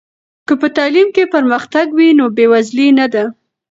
که په تعلیم کې پرمختګ وي، نو بې وزلي نه ده.